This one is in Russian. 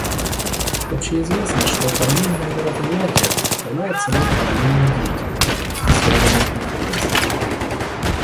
Общеизвестно, что параллельное мероприятие представляет собой параллельную деятельность, не связанную с Конференцией.